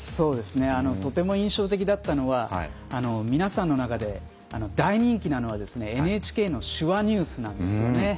とても印象的だったのは皆さんの中で、大人気なのはＮＨＫの「手話ニュース」なんですよね。